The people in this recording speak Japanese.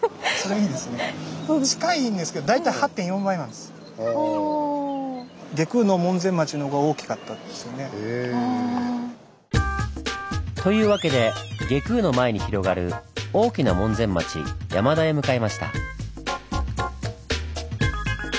近いんですけどというわけで外宮の前に広がる大きな門前町山田へ向かいました。